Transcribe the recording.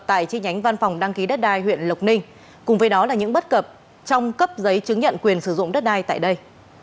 tại chi nhánh văn phòng đăng ký đất đai huyện lộc ninh cùng với đó là những bất cập trong cấp giấy chứng nhận quyền sử dụng đất đai tại đây